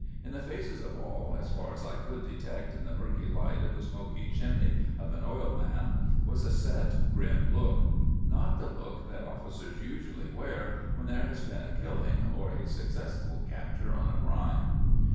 In the faces of all, as far as I could detect in the murky light of the smoky chimney of an oil lamp, was a set, grim look; not the look that officers usually wear when there has been a killing or a successful capture in a crime.